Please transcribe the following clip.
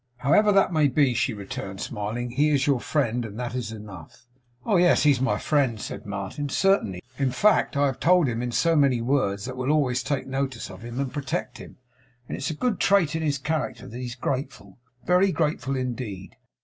'However that may be,' she returned, smiling, 'he is your friend, and that is enough.' 'Oh, yes, he's my friend,' said Martin, 'certainly. In fact, I have told him in so many words that we'll always take notice of him, and protect him; and it's a good trait in his character that he's grateful very grateful indeed.